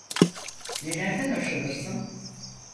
Nelerden hoşlanırsın?